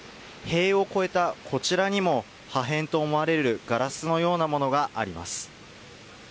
塀を越えたこちらにも破片と思われるガラスのようなものがあります。